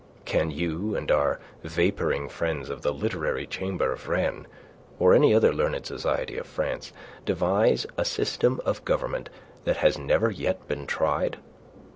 Can you and our vapouring friends of the Literary Chamber of Rennes, or any other learned society of France, devise a system of government that has never yet been tried?